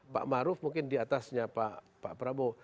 pak maruf mungkin di atasnya pak prabowo